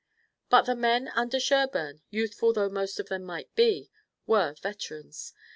But the men under Sherburne, youthful though most of them might be, were veterans.